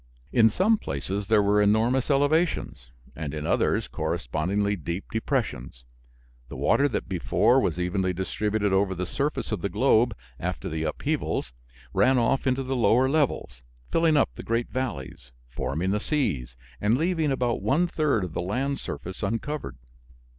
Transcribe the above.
In some places there were enormous elevations, and in others correspondingly deep depressions. The water that before was evenly distributed over the surface of the globe, after the upheavals ran off into the lower levels, filling up the great valleys, forming the seas, and leaving about one third of the land surface uncovered.